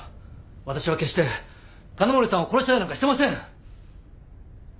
わたしは決して金森さんを殺したりなんかしてません。